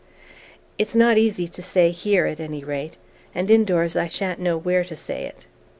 "It's not easy to say here, at any rate. And indoors I sha'n't know where to say it."